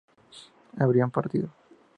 ¿habrían partido?